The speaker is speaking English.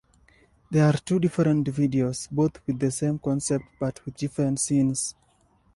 There are two different videos, both with the same concept but with different scenes.